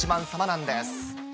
なんです。